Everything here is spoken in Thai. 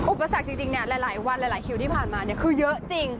อุปสรรคจริงหลายวันหลายคิวที่ผ่านมาคือเยอะจริง